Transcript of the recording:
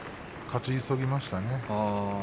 勝ち急ぎましたね。